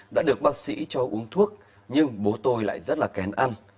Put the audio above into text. đã được bác sĩ cho uống thuốc nhưng bố tôi lại rất là kén ăn